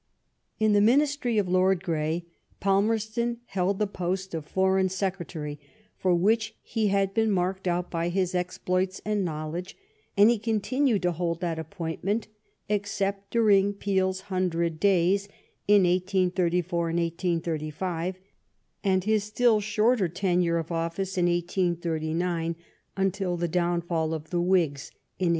In the Ministry of Lord Grey, Palmerston held the post of Foreign Secretary, for which he had heen marked out by his exploits and knowledge, and he continued to hold that appointment, except during Peel's "hundred days " in 1884 and 1885, and his still shorter tenure of o£5ce in 1889, until the downfall of the Whigs in 1841.